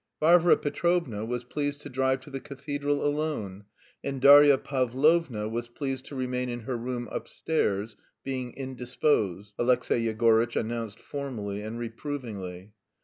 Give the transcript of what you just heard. "Varvara Petrovna was pleased to drive to the cathedral alone, and Darya Pavlovna was pleased to remain in her room upstairs, being indisposed," Alexey Yegorytch announced formally and reprovingly.